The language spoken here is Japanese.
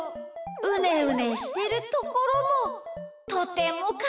うねうねしてるところもとてもかわいいです。